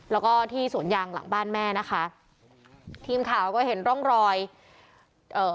แล้วก็ที่สวนยางหลังบ้านแม่นะคะทีมข่าวก็เห็นร่องรอยเอ่อ